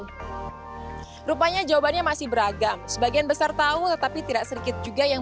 rupanya jawabannya masih beragam sebagian besar tahu tetapi tidak sedikit juga yang